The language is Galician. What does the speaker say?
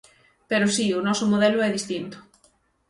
Pero si, o noso modelo é distinto.